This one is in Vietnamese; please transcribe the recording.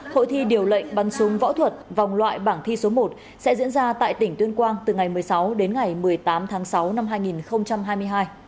hội thi điều lệnh bắn súng võ thuật vòng loại bảng thi số một sẽ diễn ra tại tỉnh tuyên quang từ ngày một mươi sáu đến ngày một mươi tám tháng sáu năm hai nghìn hai mươi hai